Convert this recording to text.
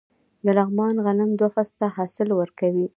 د لغمان غنم دوه فصله حاصل ورکوي.